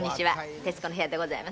『徹子の部屋』でございます。